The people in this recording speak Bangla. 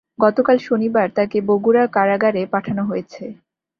গতকাল শনিবার তাঁকে বগুড়া কারাগারে পাঠানো হয়েছে।